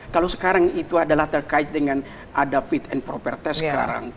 kalau sekarang itu adalah terkait dengan ada fit and proper test sekarang